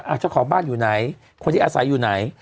เจ้าของบ้านอยู่ไหนคนที่อาศัยอยู่ไหน